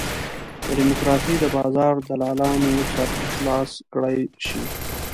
د ډیموکراسۍ د بازار دلالانو سر خلاص کړای شي.